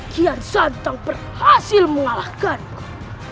jangan berhasil menghapusku